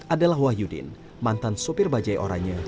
adalah wahyudin mantan sopir bajai orangnya